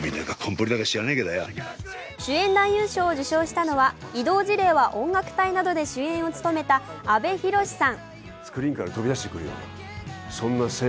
主演男優賞を受賞したのは、「異動辞令は音楽隊！」などで主演を務めた阿部寛さん。